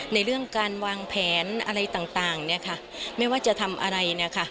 ในเรื่องการวางแผนอะไรต่างเนี่ยค่ะไม่ว่าจะทำอะไรเนี่ยค่ะ